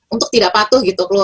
untuk tidak patuh gitu